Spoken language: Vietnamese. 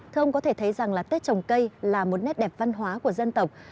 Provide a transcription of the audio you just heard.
tôi nghĩ rằng là tết trồng cây là một nét đẹp văn hóa của dân tộc